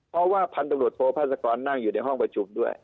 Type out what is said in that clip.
เพราะว่าพันตำรวจโทภาษากรนั่งอยู่ในห้องประชุมด้วย